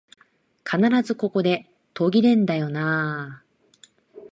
必ずここで途切れんだよなあ